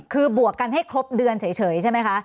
คือบวกกันให้ครบเดือนเฉยใช่ไหมคะ